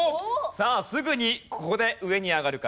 さあすぐにここで上に上がるか？